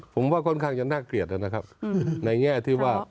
ผมว่าค่อนข้างจะน่าเกลียดนะครับในแง่ที่ว่า